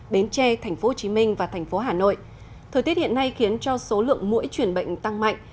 bến tre tp hcm và tp hn thời tiết hiện nay khiến cho số lượng mũi chuyển bệnh tăng mạnh